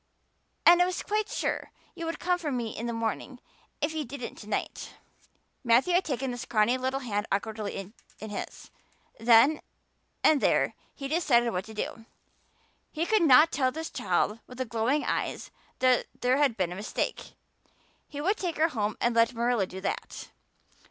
And I was quite sure you would come for me in the morning, if you didn't to night." Matthew had taken the scrawny little hand awkwardly in his; then and there he decided what to do. He could not tell this child with the glowing eyes that there had been a mistake; he would take her home and let Marilla do that.